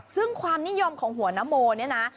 แต่ความนิยมของหัวนโมนี้นะ